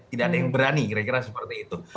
tidak ada yang berani kira kira seperti itu